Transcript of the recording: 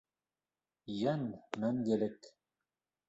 Йән - мәңгелек.